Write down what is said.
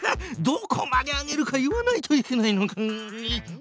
どこまで上げるか言わないといけないのか！